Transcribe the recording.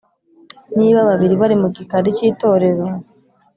niba babiri bari mu gikari cy'itorero,